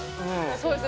そうですね。